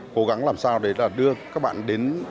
cố gắng làm sao để đưa các bạn đến